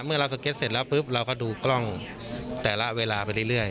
เมื่อเราสเก็ตเสร็จแล้วปุ๊บเราก็ดูกล้องแต่ละเวลาไปเรื่อย